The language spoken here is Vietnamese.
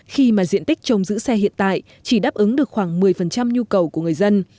khi mà diện tích trồng giữ xe hiện tại chỉ đáp ứng được khoảng một mươi nhu cầu của người dân